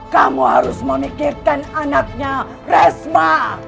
kamu harus memikirkan anaknya resma